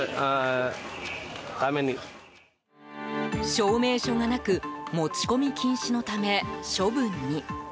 証明書がなく持ち込み禁止のため処分に。